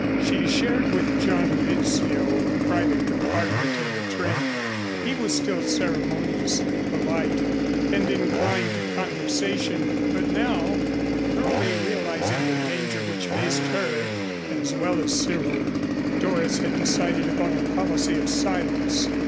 She shared with John Rizzio a private compartment in the train. He was still ceremoniously polite and inclined to conversation, but now, thoroughly realizing the danger which faced her as well as Cyril, Doris had decided upon a policy of silence.